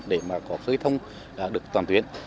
để mà có khơi thông được toàn tuyến